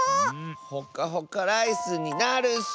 ほかほかライスになるッス。